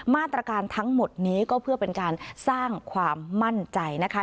มาตรการทั้งหมดนี้ก็เพื่อเป็นการสร้างความมั่นใจนะคะ